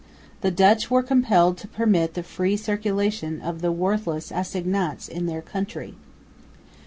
The Dutch were compelled to permit the free circulation of the worthless assignats in their country.